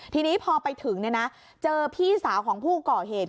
ทีนี้พอไปถึงเจอพี่สาวของผู้ก่อเหตุ